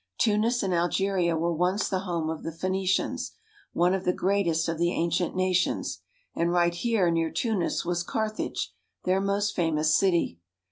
Tunis and Algeria were once the home of the Phoenicians, one of the greatest of the ancient nations, and right here near Tunis was Carthage, their most famous city.